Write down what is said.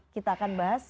kita akan bahas